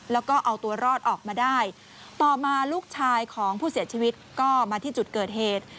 แล้วก็เอาตัวรอดออกมาได้ต่อมาลูกชายของผู้เสียชีวิตก็มาที่จุดเกิดเหตุ